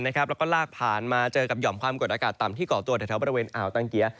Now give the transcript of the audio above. แล้วก็ลากผ่านมาเจอกับหอมความกดอากาศต่ำที่เกาะตัวแถวบริเวณอ่าวตังเกียร์